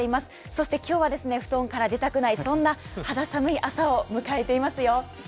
そして今日は、布団から出たくないそんな肌寒い朝を迎えていますよ。